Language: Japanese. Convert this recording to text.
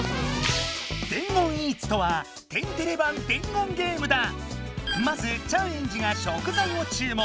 「伝言Ｅａｔｓ」とはまずチャンエンジが食材を注文。